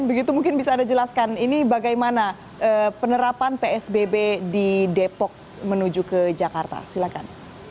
dan begitu mungkin bisa anda jelaskan ini bagaimana penerapan psbb di depok menuju ke jakarta silahkan